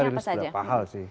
kemarin kita ada beberapa hal sih